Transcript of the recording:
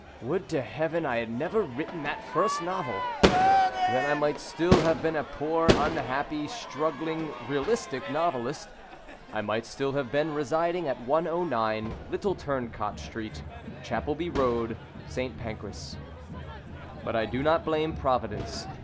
Would to Heaven I had never written that first novel! Then I might still have been a poor, unhappy, struggling, realistic novelist; I might still have been residing at 109, Little Turncot Street, Chapelby Road, St. Pancras. But I do not blame Providence.